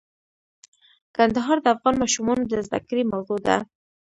کندهار د افغان ماشومانو د زده کړې موضوع ده.